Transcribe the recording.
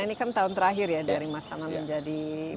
karena ini kan tahun terakhir ya dari mas tamam menjadi bupati